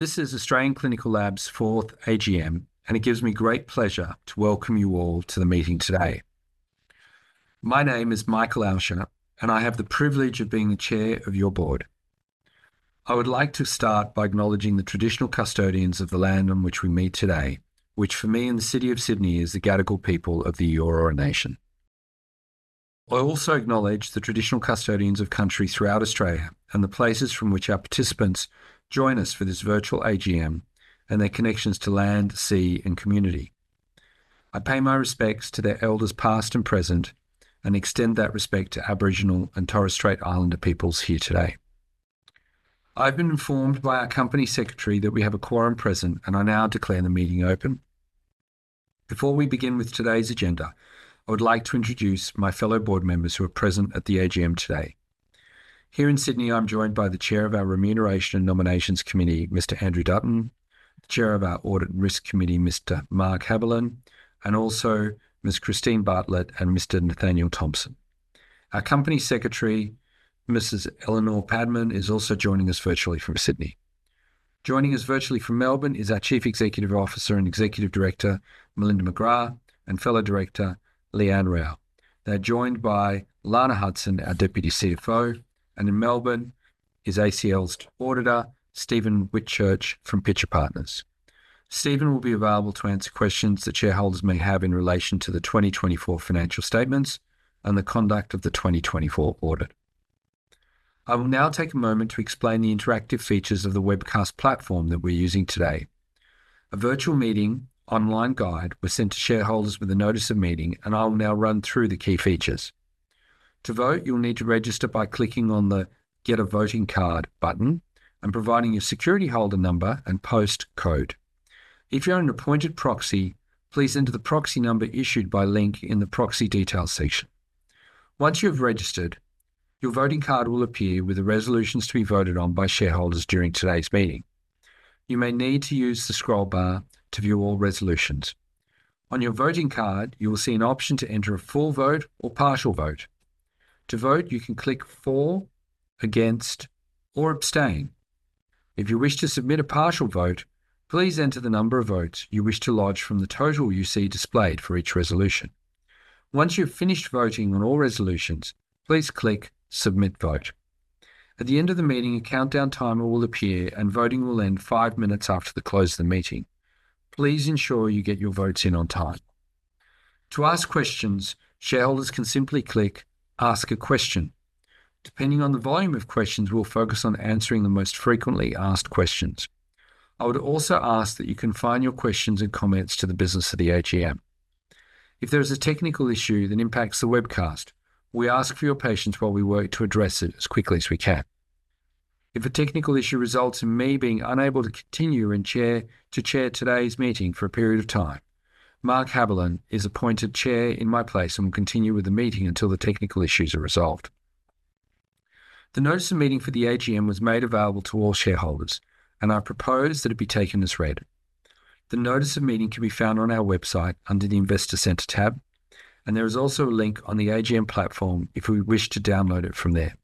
This is Australian Clinical Labs Fourth AGM, and it gives me great pleasure to welcome you all to the meeting today. My name is Michael Alscher, and I have the privilege of being the Chair of your Board. I would like to start by acknowledging the traditional custodians of the land on which we meet today, which for me, in the city of Sydney, is the Gadigal people of the Eora Nation. I also acknowledge the traditional custodians of country throughout Australia and the places from which our participants join us for this virtual AGM, and their connections to land, sea, and community. I pay my respects to their elders, past and present, and extend that respect to Aboriginal and Torres Strait Islander peoples here today. I've been informed by our company secretary that we have a quorum present, and I now declare the meeting open. Before we begin with today's agenda, I would like to introduce my fellow board members who are present at the AGM today. Here in Sydney, I'm joined by the Chair of our Remuneration and Nominations Committee, Mr. Andrew Dutton, the Chair of our Audit and Risk Committee, Mr. Mark Haberlin, and also Ms. Christine Bartlett and Mr. Nathanial Thomson. Our Company Secretary, Mrs. Eleanor Padman, is also joining us virtually from Sydney. Joining us virtually from Melbourne is our Chief Executive Officer and Executive Director, Melinda McGrath, and fellow director, Leanne Rowe. They're joined by Lana Hudson, our Deputy CFO, and in Melbourne is ACL's auditor, Stephen Whitchurch, from Pitcher Partners. Stephen will be available to answer questions that shareholders may have in relation to the 2024 financial statements and the conduct of the 2024 audit. I will now take a moment to explain the interactive features of the webcast platform that we're using today. A virtual meeting online guide was sent to shareholders with a notice of meeting, and I'll now run through the key features. To vote, you'll need to register by clicking on the Get a Voting Card button and providing your security holder number and post code. If you're an appointed proxy, please enter the proxy number issued by Link in the proxy details section. Once you have registered, your voting card will appear with the resolutions to be voted on by shareholders during today's meeting. You may need to use the scroll bar to view all resolutions. On your voting card, you will see an option to enter a full vote or partial vote. To vote, you can click For, Against, or Abstain. If you wish to submit a partial vote, please enter the number of votes you wish to lodge from the total you see displayed for each resolution. Once you've finished voting on all resolutions, please click Submit Vote. At the end of the meeting, a countdown timer will appear, and voting will end five minutes after the close of the meeting. Please ensure you get your votes in on time. To ask questions, shareholders can simply click Ask a Question. Depending on the volume of questions, we'll focus on answering the most frequently asked questions. I would also ask that you confine your questions and comments to the business of the AGM. If there is a technical issue that impacts the webcast, we ask for your patience while we work to address it as quickly as we can. If a technical issue results in me being unable to continue to chair today's meeting for a period of time, Mark Haberlin is appointed chair in my place and will continue with the meeting until the technical issues are resolved. The notice of meeting for the AGM was made available to all shareholders, and I propose that it be taken as read. The notice of meeting can be found on our website under the Investor Centre tab, and there is also a link on the AGM platform if we wish to download it from there.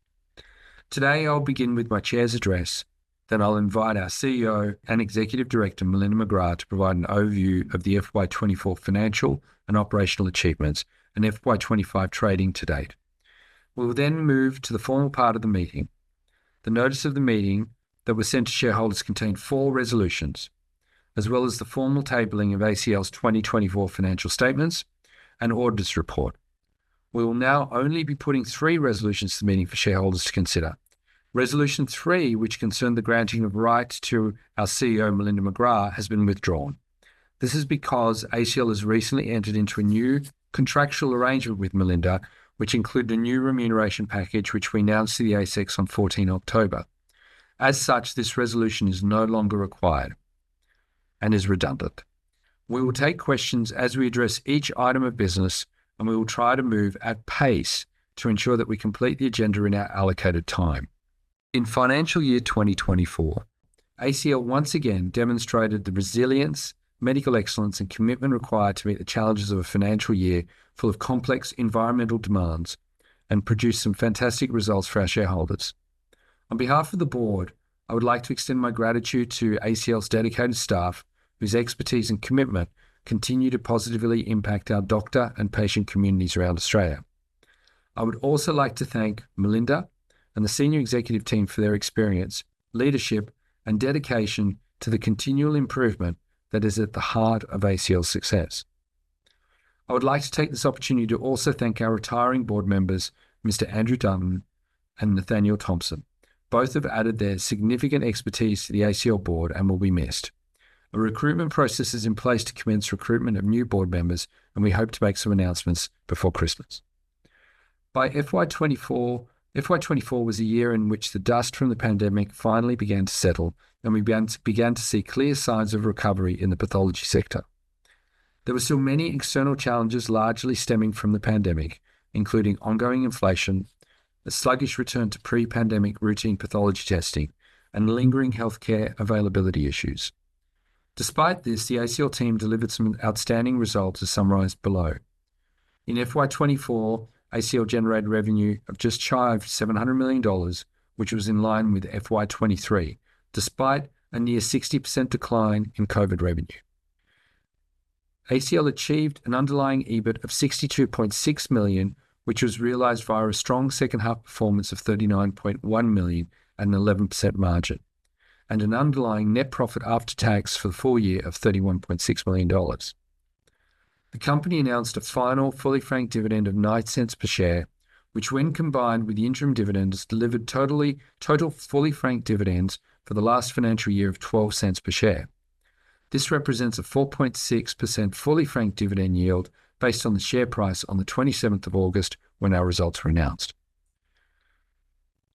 Today, I'll begin with my chair's address. Then I'll invite our CEO and Executive Director, Melinda McGrath, to provide an overview of the FY 2024 financial and operational achievements and FY 2025 trading to date. We will then move to the formal part of the meeting. The notice of the meeting that was sent to shareholders contained four resolutions, as well as the formal tabling of ACL's 2024 financial statements and auditor's report. We will now only be putting three resolutions to the meeting for shareholders to consider. Resolution 3, which concerned the granting of rights to our CEO, Melinda McGrath, has been withdrawn. This is because ACL has recently entered into a new contractual arrangement with Melinda, which included a new remuneration package, which we announced to the ASX on 14 October. As such, this resolution is no longer required and is redundant. We will take questions as we address each item of business, and we will try to move at pace to ensure that we complete the agenda in our allocated time. In financial year 2024, ACL once again demonstrated the resilience, medical excellence, and commitment required to meet the challenges of a financial year full of complex environmental demands, and produced some fantastic results for our shareholders. On behalf of the board, I would like to extend my gratitude to ACL's dedicated staff, whose expertise and commitment continue to positively impact our doctor and patient communities around Australia. I would also like to thank Melinda and the senior executive team for their experience, leadership, and dedication to the continual improvement that is at the heart of ACL's success. I would like to take this opportunity to also thank our retiring board members, Mr. Andrew Dutton and Nathanial Thomson. Both have added their significant expertise to the ACL board and will be missed. A recruitment process is in place to commence recruitment of new board members, and we hope to make some announcements before Christmas. By FY 2024, FY 2024 was a year in which the dust from the pandemic finally began to settle, and we began to see clear signs of recovery in the pathology sector. There were still many external challenges, largely stemming from the pandemic, including ongoing inflation, a sluggish return to pre-pandemic routine pathology testing, and lingering healthcare availability issues. Despite this, the ACL team delivered some outstanding results, as summarized below. In FY 2024, ACL generated revenue of just shy of 700 million dollars, which was in line with FY 2023, despite a near 60% decline in COVID revenue. ACL achieved an underlying EBIT of 62.6 million, which was realized via a strong second half performance of 39.1 million and 11% margin, and an underlying net profit after tax for the full year of 31.6 million dollars. The company announced a final fully franked dividend of 0.09 per share, which, when combined with the interim dividend, has delivered total fully franked dividends for the last financial year of 0.12 per share. This represents a 4.6% fully franked dividend yield based on the share price on the twenty-seventh of August, when our results were announced.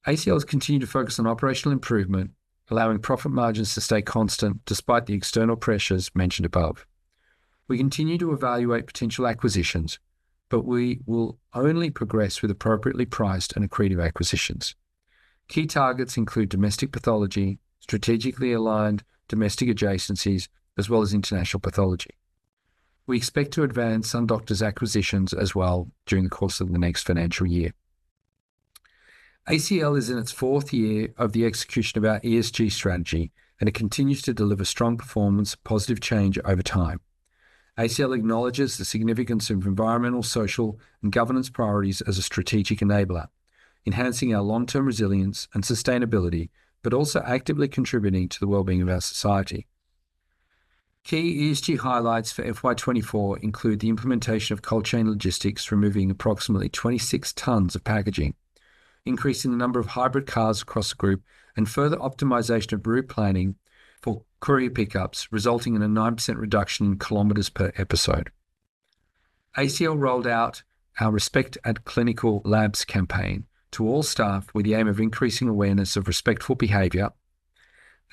ACL has continued to focus on operational improvement, allowing profit margins to stay constant despite the external pressures mentioned above. We continue to evaluate potential acquisitions, but we will only progress with appropriately priced and accretive acquisitions. Key targets include domestic pathology, strategically aligned domestic adjacencies, as well as international pathology. We expect to advance some doctors' acquisitions as well during the course of the next financial year. ACL is in its fourth year of the execution of our ESG strategy, and it continues to deliver strong performance, positive change over time. ACL acknowledges the significance of environmental, social, and governance priorities as a strategic enabler, enhancing our long-term resilience and sustainability, but also actively contributing to the well-being of our society. Key ESG highlights for FY 2024 include the implementation of cold chain logistics, removing approximately 26 tonnes of packaging, increasing the number of hybrid cars across the group, and further optimization of route planning for courier pickups, resulting in a 9% reduction in kilometers per episode. ACL rolled out our Respect at Clinical Labs campaign to all staff with the aim of increasing awareness of respectful behavior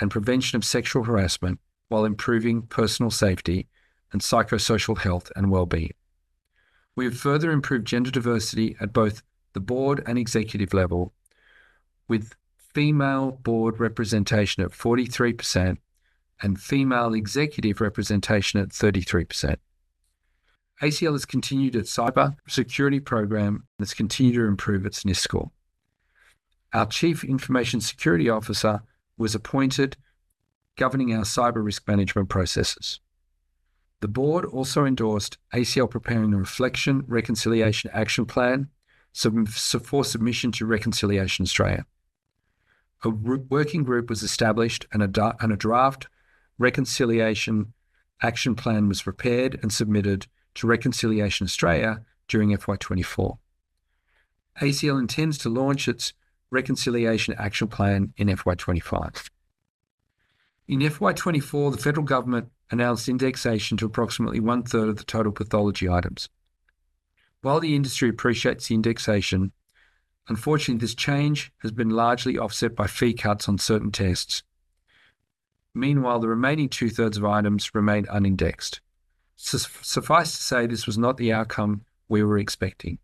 and prevention of sexual harassment while improving personal safety and psychosocial health and well-being. We have further improved gender diversity at both the board and executive level, with female board representation at 43% and female executive representation at 33%. ACL has continued its cyber security program and has continued to improve its NIST score. Our Chief Information Security Officer was appointed governing our cyber risk management processes. The board also endorsed ACL preparing a Reconciliation Action Plan, so for submission to Reconciliation Australia. A working group was established and a draft Reconciliation Action Plan was prepared and submitted to Reconciliation Australia during FY 2024. ACL intends to launch its Reconciliation Action Plan in FY 2025. In FY 2024, the federal government announced indexation to approximately one-third of the total pathology items. While the industry appreciates the indexation, unfortunately, this change has been largely offset by fee cuts on certain tests. Meanwhile, the remaining two-thirds of items remain unindexed. Suffice to say, this was not the outcome we were expecting.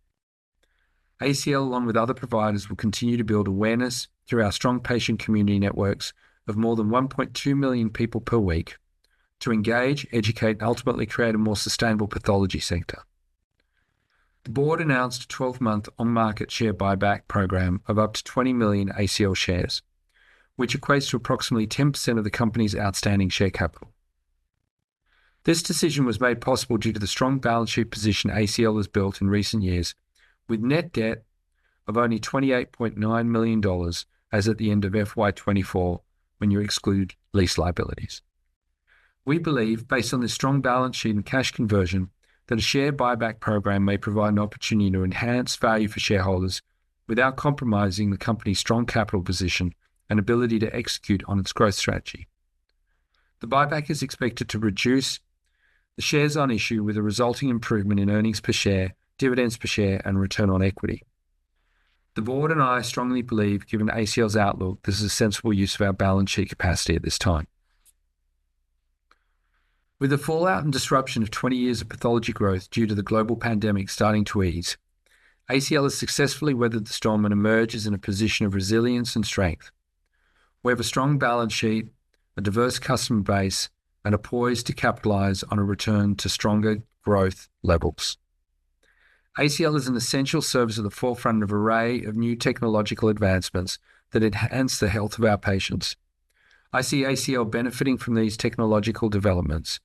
ACL, along with other providers, will continue to build awareness through our strong patient community networks of more than 1.2 million people per week to engage, educate, and ultimately create a more sustainable pathology sector. The board announced a 12-month on-market share buyback program of up to 20 million ACL shares, which equates to approximately 10% of the company's outstanding share capital. This decision was made possible due to the strong balance sheet position ACL has built in recent years, with net debt of only 28.9 million dollars as at the end of FY 2024, when you exclude lease liabilities. We believe, based on this strong balance sheet and cash conversion, that a share buyback program may provide an opportunity to enhance value for shareholders without compromising the company's strong capital position and ability to execute on its growth strategy. The buyback is expected to reduce the shares on issue with a resulting improvement in earnings per share, dividends per share, and return on equity. The board and I strongly believe, given ACL's outlook, this is a sensible use of our balance sheet capacity at this time. With the fallout and disruption of twenty years of pathology growth due to the global pandemic starting to ease, ACL has successfully weathered the storm and emerges in a position of resilience and strength. We have a strong balance sheet, a diverse customer base, and are poised to capitalize on a return to stronger growth levels. ACL is an essential service at the forefront of an array of new technological advancements that enhance the health of our patients. I see ACL benefiting from these technological developments,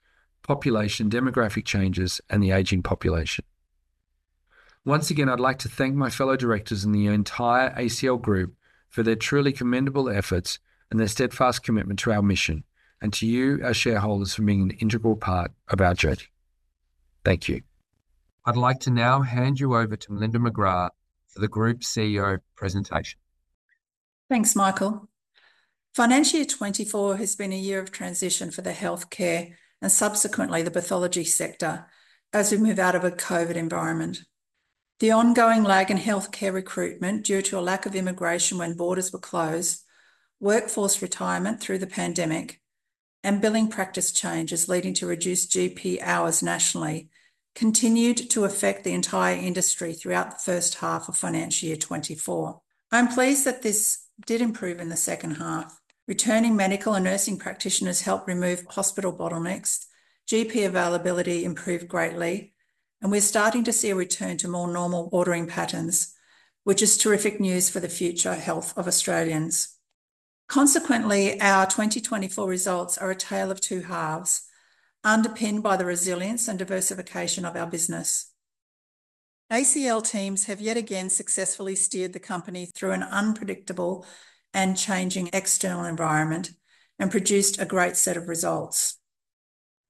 population demographic changes, and the aging population. Once again, I'd like to thank my fellow directors and the entire ACL group for their truly commendable efforts and their steadfast commitment to our mission, and to you, our shareholders, for being an integral part of our journey. Thank you. I'd like to now hand you over to Melinda McGrath for the Group CEO presentation. Thanks, Michael. Financial year twenty-four has been a year of transition for the healthcare and subsequently the pathology sector as we move out of a COVID environment. The ongoing lag in healthcare recruitment due to a lack of immigration when borders were closed, workforce retirement through the pandemic, and billing practice changes leading to reduced GP hours nationally, continued to affect the entire industry throughout the first half of financial year twenty-four. I'm pleased that this did improve in the second half. Returning medical and nursing practitioners helped remove hospital bottlenecks, GP availability improved greatly, and we're starting to see a return to more normal ordering patterns, which is terrific news for the future health of Australians. Consequently, our twenty twenty-four results are a tale of two halves, underpinned by the resilience and diversification of our business. ACL teams have yet again successfully steered the company through an unpredictable and changing external environment and produced a great set of results.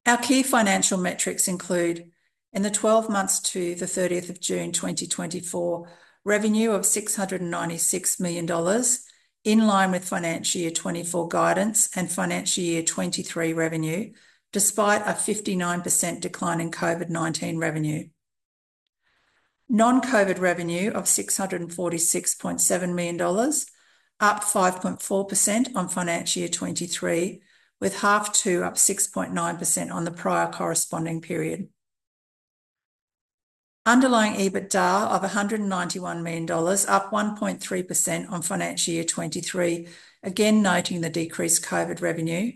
Our key financial metrics include: in the twelve months to the thirtieth of June, 2024, revenue of 696 million dollars, in line with financial year 2024 guidance and financial year 2023 revenue, despite a 59% decline in COVID-19 revenue. Non-COVID revenue of 646.7 million dollars, up 5.4% on financial year 2023, with half two up 6.9% on the prior corresponding period. Underlying EBITDA of 191 million dollars, up 1.3% on financial year 2023, again, noting the decreased COVID revenue.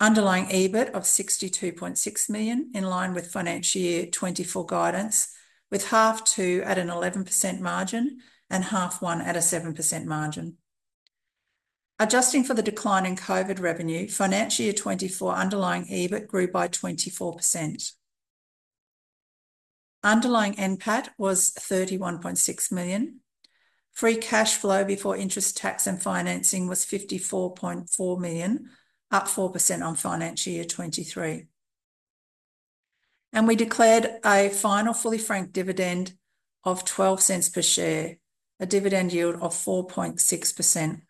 Underlying EBIT of 62.6 million, in line with financial year 2024 guidance, with half two at an 11% margin and half one at a 7% margin. Adjusting for the decline in COVID revenue, financial year 2024 underlying EBIT grew by 24%. Underlying NPAT was 31.6 million. Free cash flow before interest, tax, and financing was 54.4 million, up 4% on financial year 2023. And we declared a final fully franked dividend of 0.12 per share, a dividend yield of 4.6%.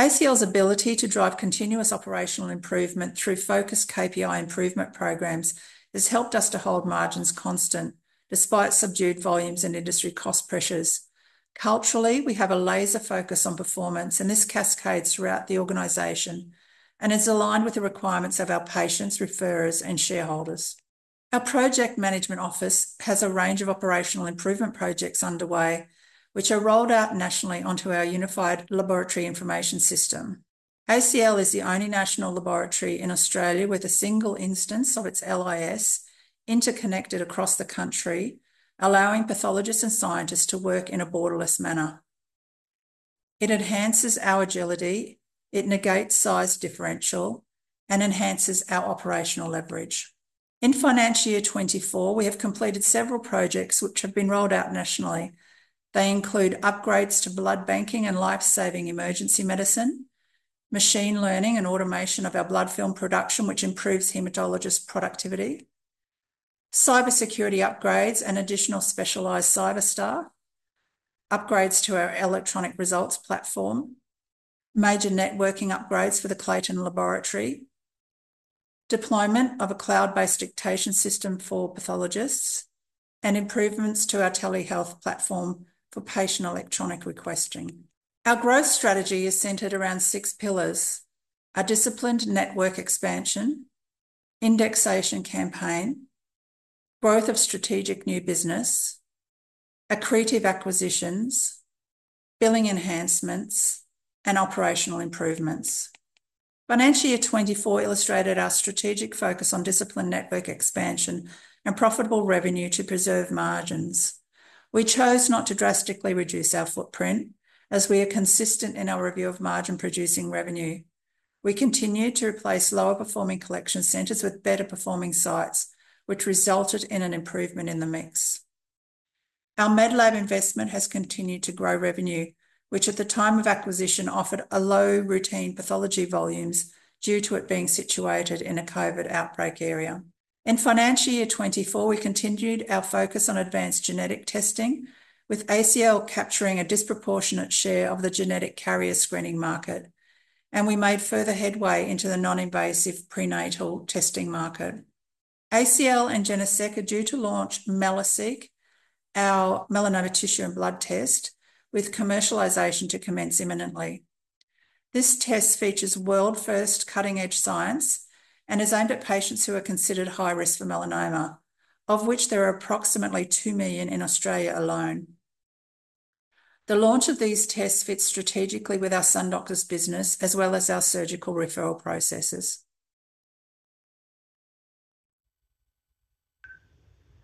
ACL's ability to drive continuous operational improvement through focused KPI improvement programs has helped us to hold margins constant, despite subdued volumes and industry cost pressures. Culturally, we have a laser focus on performance, and this cascades throughout the organization and is aligned with the requirements of our patients, referrers, and shareholders. Our project management office has a range of operational improvement projects underway, which are rolled out nationally onto our unified laboratory information system. ACL is the only national laboratory in Australia with a single instance of its LIS interconnected across the country, allowing pathologists and scientists to work in a borderless manner. It enhances our agility, it negates size differential, and enhances our operational leverage. In financial year 2024, we have completed several projects which have been rolled out nationally. They include upgrades to blood banking and life-saving emergency medicine, machine learning and automation of our blood film production, which improves hematologist productivity, cybersecurity upgrades and additional specialized cyber staff, upgrades to our electronic results platform, major networking upgrades for the Clayton Laboratory, deployment of a cloud-based dictation system for pathologists, and improvements to our telehealth platform for patient electronic requesting. Our growth strategy is centered around six pillars: a disciplined network expansion, indexation campaign, growth of strategic new business, accretive acquisitions, billing enhancements, and operational improvements. Financial year 2024 illustrated our strategic focus on disciplined network expansion and profitable revenue to preserve margins. We chose not to drastically reduce our footprint, as we are consistent in our review of margin-producing revenue. We continued to replace lower-performing collection centers with better-performing sites, which resulted in an improvement in the mix. Our Medlab investment has continued to grow revenue, which, at the time of acquisition, offered a low routine pathology volumes due to it being situated in a COVID outbreak area. In financial year 2024, we continued our focus on advanced genetic testing, with ACL capturing a disproportionate share of the genetic carrier screening market, and we made further headway into the non-invasive prenatal testing market. ACL and Geneseq are due to launch Melaseq, our melanoma tissue and blood test, with commercialization to commence imminently. This test features world-first cutting-edge science and is aimed at patients who are considered high risk for melanoma, of which there are approximately 2 million in Australia alone. The launch of these tests fits strategically with our SunDoctors business, as well as our surgical referral processes.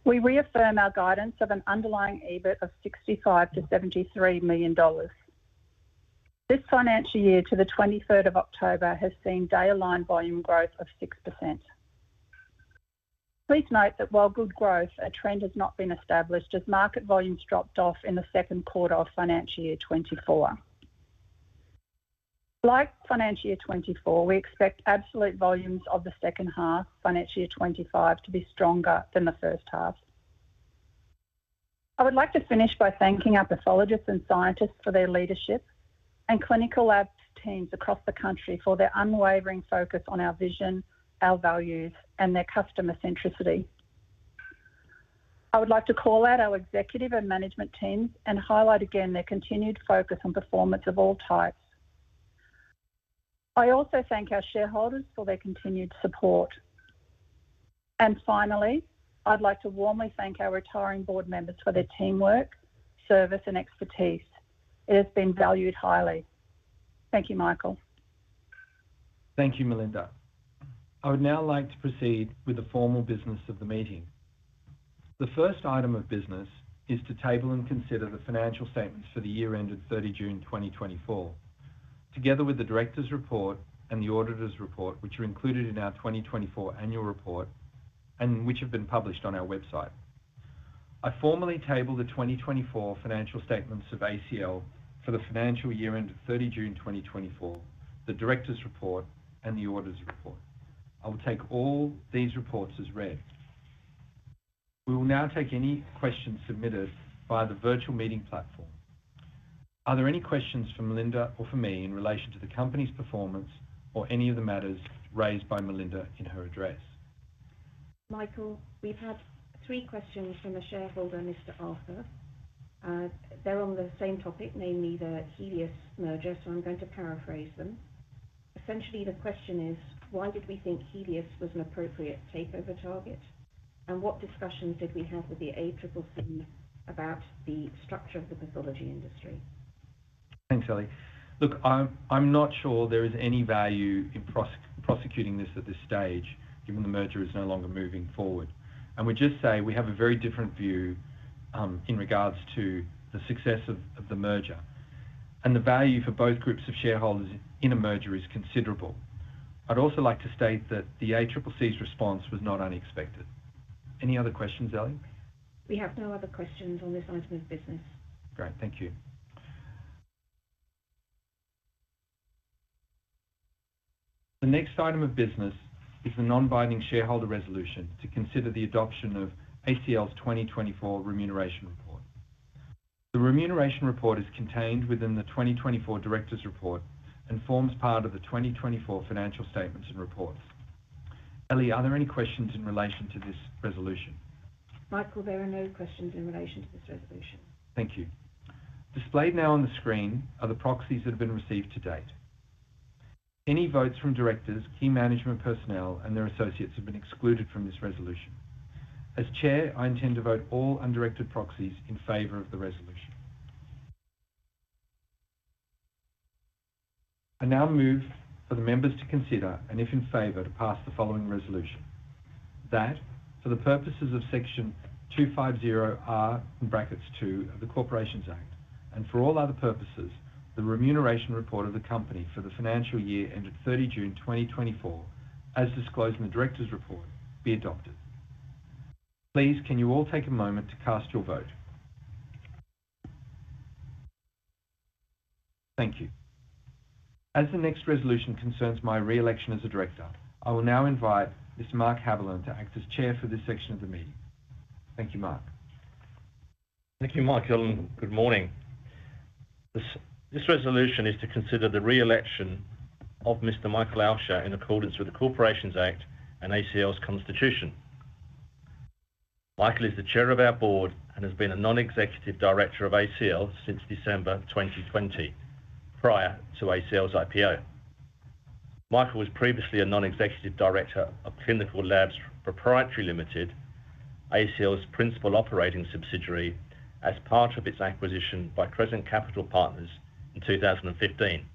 We reaffirm our guidance of an underlying EBIT of $65 million-$73 million. This financial year to the 23rd of October has seen daily volume growth of 6%. Please note that while good growth, a trend has not been established as market volumes dropped off in the second quarter of financial year 2024. Like financial year 2024, we expect absolute volumes of the second half, financial year 2025, to be stronger than the first half. I would like to finish by thanking our pathologists and scientists for their leadership, and clinical labs teams across the country for their unwavering focus on our vision, our values, and their customer centricity. I would like to call out our executive and management teams and highlight again their continued focus on performance of all types. I also thank our shareholders for their continued support. And finally, I'd like to warmly thank our retiring board members for their teamwork, service, and expertise. It has been valued highly. Thank you, Michael. Thank you, Melinda. I would now like to proceed with the formal business of the meeting. The first item of business is to table and consider the financial statements for the year ended thirty June twenty twenty-four, together with the director's report and the auditor's report, which are included in our twenty twenty-four annual report, and which have been published on our website. I formally table the twenty twenty-four financial statements of ACL for the financial year ended thirty June twenty twenty-four, the director's report, and the auditor's report. I will take all these reports as read. We will now take any questions submitted via the virtual meeting platform. Are there any questions for Melinda or for me in relation to the company's performance or any of the matters raised by Melinda in her address? Michael, we've had three questions from a shareholder, Mr. Arthur. They're on the same topic, namely the Healius merger, so I'm going to paraphrase them. Essentially, the question is: Why did we think Healius was an appropriate takeover target? And what discussions did we have with the ACCC about the structure of the pathology industry? Thanks, Ellie. Look, I'm not sure there is any value in prosecuting this at this stage, given the merger is no longer moving forward, and we just say we have a very different view in regards to the success of the merger, and the value for both groups of shareholders in a merger is considerable. I'd also like to state that the ACCC's response was not unexpected. Any other questions, Ellie? We have no other questions on this item of business. Great, thank you. The next item of business is the non-binding shareholder resolution to consider the adoption of ACL's 2024 remuneration report. The remuneration report is contained within the 2024 directors' report and forms part of the 2024 financial statements and reports. Ellie, are there any questions in relation to this resolution? Michael, there are no questions in relation to this resolution. Thank you. Displayed now on the screen are the proxies that have been received to date. Any votes from directors, key management personnel, and their associates have been excluded from this resolution. As Chair, I intend to vote all undirected proxies in favor of the resolution. I now move for the members to consider, and if in favor, to pass the following resolution: That for the purposes of Section 250R(2) of the Corporations Act, and for all other purposes, the remuneration report of the company for the financial year ended 30 June 2024, as disclosed in the directors' report, be adopted. Please, can you all take a moment to cast your vote? Thank you. As the next resolution concerns my re-election as a director, I will now invite Mr. Mark Haberlin to act as Chair for this section of the meeting. Thank you, Mark. Thank you, Michael, and good morning. This resolution is to consider the re-election of Mr. Michael Alscher in accordance with the Corporations Act and ACL's constitution. Michael is the Chair of our board and has been a Non-Executive Director of ACL since December 2020, prior to ACL's IPO. Michael was previously a Non-Executive Director of Clinical Labs Proprietary Limited, ACL's principal operating subsidiary, as part of its acquisition by Crescent Capital Partners in 2015.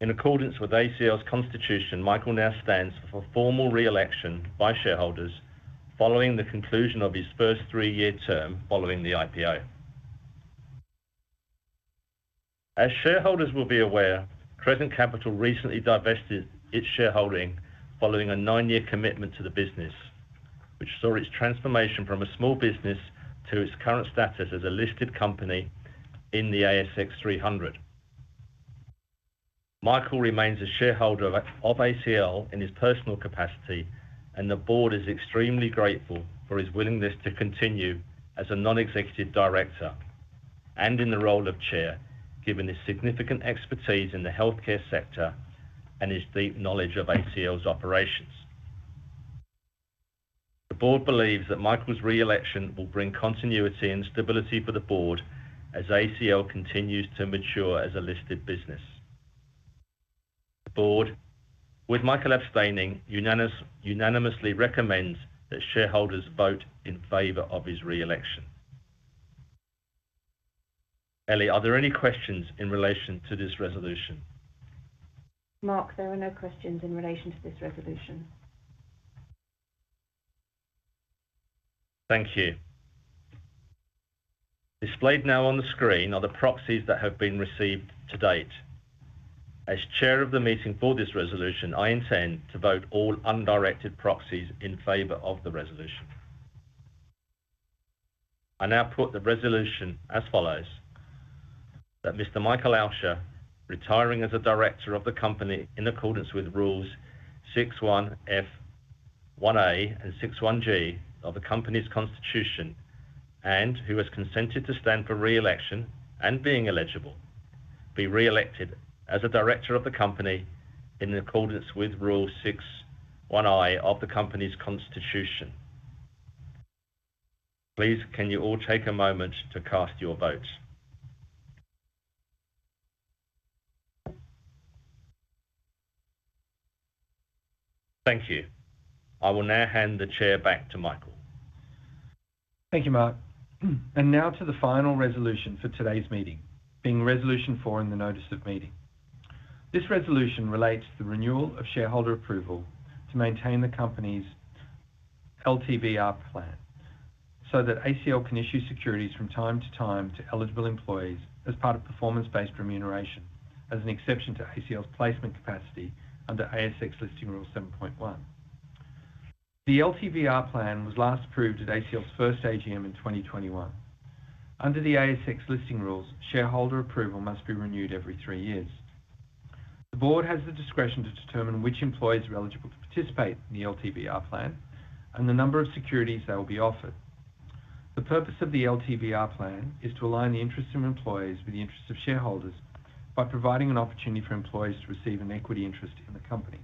In accordance with ACL's constitution, Michael now stands for formal re-election by shareholders following the conclusion of his first three-year term, following the IPO. As shareholders will be aware, Crescent Capital recently divested its shareholding following a nine-year commitment to the business, which saw its transformation from a small business to its current status as a listed company in the ASX 300. Michael remains a shareholder of ACL in his personal capacity, and the board is extremely grateful for his willingness to continue as a non-executive director and in the role of Chair, given his significant expertise in the healthcare sector and his deep knowledge of ACL's operations. The board believes that Michael's re-election will bring continuity and stability for the board as ACL continues to mature as a listed business. The board, with Michael abstaining, unanimously recommends that shareholders vote in favor of his re-election. Ellie, are there any questions in relation to this resolution? Mark, there are no questions in relation to this resolution. Thank you. Displayed now on the screen are the proxies that have been received to date. As Chair of the meeting for this resolution, I intend to vote all undirected proxies in favor of the resolution. I now put the resolution as follows: That Mr. Michael Alscher, retiring as a director of the company in accordance with Rules 6.1(f)(1)(a) and 6.1(g) of the company's constitution, and who has consented to stand for re-election and being eligible, be re-elected as a director of the company in accordance with Rule 6.1(i) of the company's constitution. Please, can you all take a moment to cast your votes? Thank you. I will now hand the chair back to Michael. Thank you, Mark. And now to the final resolution for today's meeting, being Resolution Four in the notice of meeting. This resolution relates to the renewal of shareholder approval to maintain the company's LTVR plan, so that ACL can issue securities from time to time to eligible employees as part of performance-based remuneration, as an exception to ACL's placement capacity under ASX Listing Rule 7.1. The LTVR plan was last approved at ACL's first AGM in 2021. Under the ASX Listing Rules, shareholder approval must be renewed every three years. The board has the discretion to determine which employees are eligible to participate in the LTVR plan and the number of securities they will be offered. The purpose of the LTVR plan is to align the interests of employees with the interests of shareholders by providing an opportunity for employees to receive an equity interest in the company.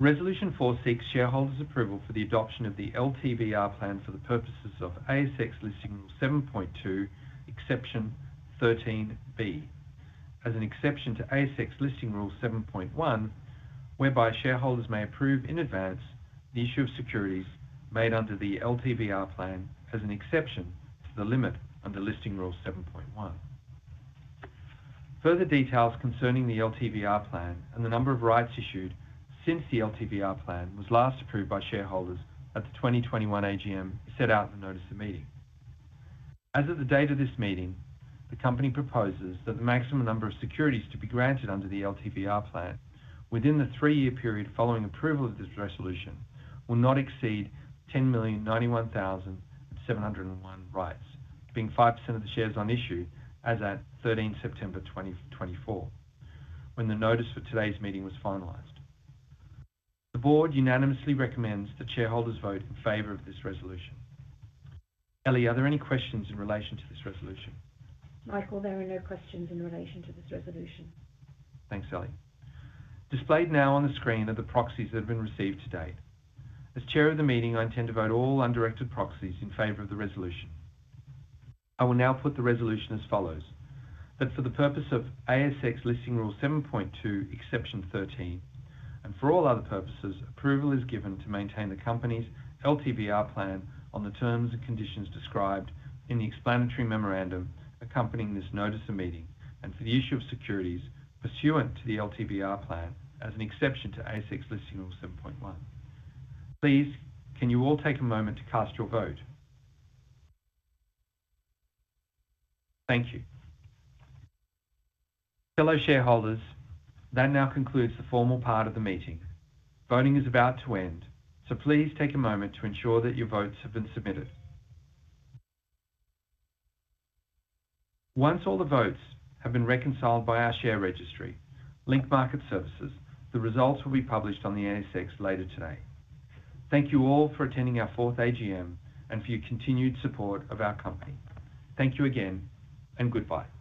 Resolution Four seeks shareholders' approval for the adoption of the LTVR plan for the purposes of ASX Listing Rule 7.2, Exception 13(b), as an exception to ASX Listing Rule 7.1, whereby shareholders may approve in advance the issue of securities made under the LTVR plan as an exception to the limit under Listing Rule 7.1. Further details concerning the LTVR plan and the number of rights issued since the LTVR plan was last approved by shareholders at the twenty twenty-one AGM, set out in the notice of meeting. As of the date of this meeting, the company proposes that the maximum number of securities to be granted under the LTVR plan within the three-year period following approval of this resolution, will not exceed 10,091,701 rights, being 5% of the shares on issue as at thirteenth September 2024, when the notice for today's meeting was finalized. The board unanimously recommends that shareholders vote in favor of this resolution. Ellie, are there any questions in relation to this resolution? Michael, there are no questions in relation to this resolution. Thanks, Ellie. Displayed now on the screen are the proxies that have been received to date. As chair of the meeting, I intend to vote all undirected proxies in favor of the resolution. I will now put the resolution as follows: That for the purpose of ASX Listing Rule 7.2, Exception 13, and for all other purposes, approval is given to maintain the company's LTVR plan on the terms and conditions described in the explanatory memorandum accompanying this notice of meeting, and for the issue of securities pursuant to the LTVR plan, as an exception to ASX Listing Rule 7.1. Please, can you all take a moment to cast your vote? Thank you. Fellow shareholders, that now concludes the formal part of the meeting. Voting is about to end, so please take a moment to ensure that your votes have been submitted. Once all the votes have been reconciled by our share registry, Link Market Services, the results will be published on the ASX later today. Thank you all for attending our fourth AGM and for your continued support of our company. Thank you again, and goodbye.